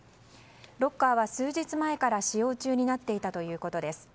ロッカーは数日前から使用中になっていたということです。